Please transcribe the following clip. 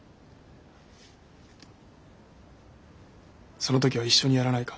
その時は一緒にやらないか？